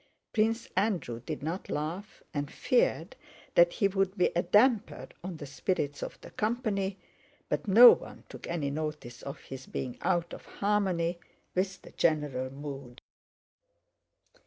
Prince Andrew did not laugh and feared that he would be a damper on the spirits of the company, but no one took any notice of his being out of harmony with the general mood.